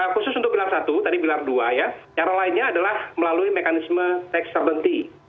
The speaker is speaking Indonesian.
khusus untuk bilar satu tadi bilar dua yang lainnya adalah melalui mekanisme tax certainty